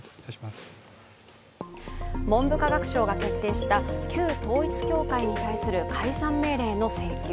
文部科学省が決定した旧統一教会に対する解散命令の請求。